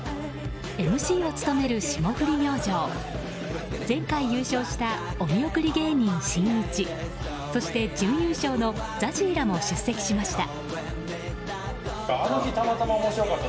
ＭＣを務める霜降り明星前回優勝したお見送り芸人しんいちそして準優勝のＺＡＺＹらも出席しました。